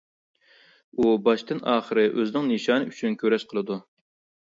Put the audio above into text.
ئۇ باشتىن-ئاخىر ئۆزىنىڭ نىشانى ئۈچۈن كۈرەش قىلىدۇ.